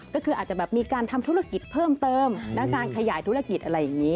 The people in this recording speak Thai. ก็คืออาจจะแบบมีการทำธุรกิจเพิ่มเติมและการขยายธุรกิจอะไรอย่างนี้